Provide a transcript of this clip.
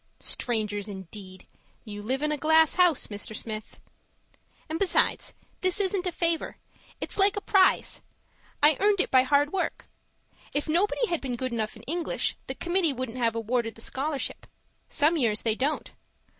Strangers indeed! You live in a glass house, Mr. Smith. And besides, this isn't a favour; it's like a prize I earned it by hard work. If nobody had been good enough in English, the committee wouldn't have awarded the scholarship; some years they don't.